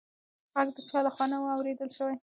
غږ د چا لخوا نه و اورېدل شوې.